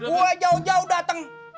gue jauh jauh dateng